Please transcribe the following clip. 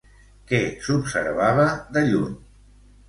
Què s'observava de lluny?